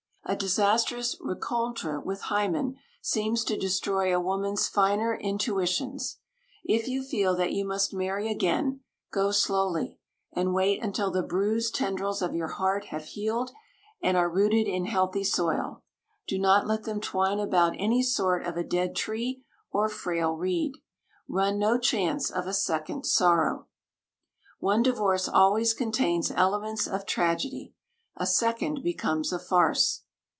A disastrous rencontre with Hymen seems to destroy a woman's finer intuitions. If you feel that you must marry again, go slowly, and wait until the bruised tendrils of your heart have healed and are rooted in healthy soil. Do not let them twine about any sort of a dead tree or frail reed. Run no chance of a second sorrow. One divorce always contains elements of tragedy. A second becomes a farce.